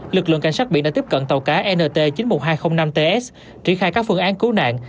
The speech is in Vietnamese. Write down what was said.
lực lượng cảnh sát biển đã tiếp cận tàu cá nt chín mươi một nghìn hai trăm linh năm ts triển khai các phương án cứu nạn